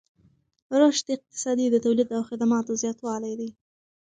رشد اقتصادي د تولید او خدماتو زیاتوالی دی.